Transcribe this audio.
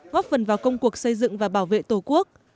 góp phần vào công cuộc xây dựng và bảo vệ tổ quốc